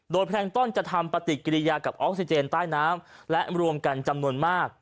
แพลงต้นจะทำปฏิกิริยากับออกซิเจนใต้น้ำและรวมกันจำนวนมาก